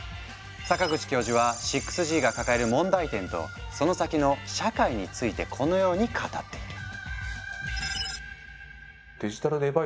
阪口教授は６Ｇが抱える問題点とその先の社会についてこのように語っている。